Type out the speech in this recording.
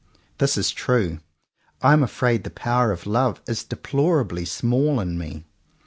This is true. I am afraid the power of love is deplorably small in me.